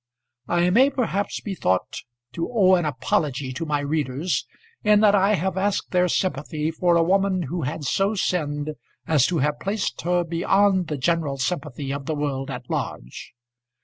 I may, perhaps be thought to owe an apology to my readers in that I have asked their sympathy for a woman who had so sinned as to have placed her beyond the general sympathy of the world at large.